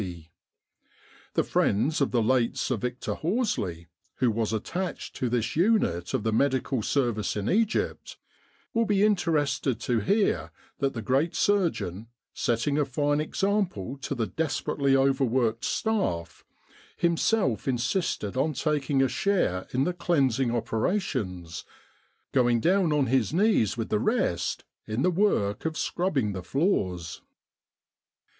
C. The friends of the late Sir Victor Horsley, who was attached to this unit of the Medical Service in Egypt, will be interested to hear that the great surgeon, setting a fine example to the desperately overworked staff, himself insisted on taking a share in the cleansing operations, going down on his knees with the rest in the work of scrubbing the floors.